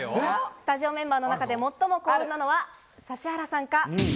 スタジオメンバーの中で最も幸運なのは指原さんか？